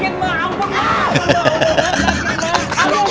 mesti sambung lagi ya